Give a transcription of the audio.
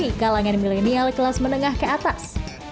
dan guni kalangan milenial kelas menengah ke atas